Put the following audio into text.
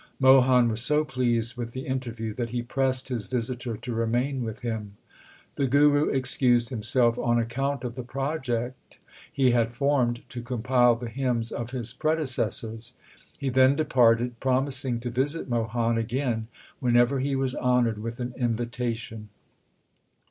Mohan was so pleased with the interview, that he pressed his visitor to remain with him. The Guru excused himself on account of the project he had formed to compile the hymns of his predecessors. He then departed, promising to visit Mohan again whenever he was honoured with an invitation.